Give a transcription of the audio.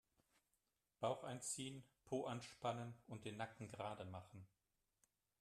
Bauch einziehen, Po anspannen und den Nacken gerade machen.